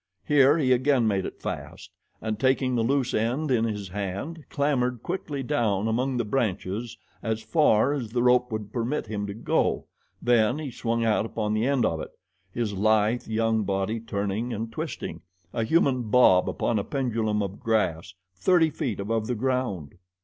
Here he again made it fast, and taking the loose end in his hand, clambered quickly down among the branches as far as the rope would permit him to go; then he swung out upon the end of it, his lithe, young body turning and twisting a human bob upon a pendulum of grass thirty feet above the ground.